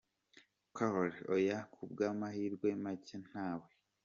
Carole: oya, ku bw’amahirwe make ntawe.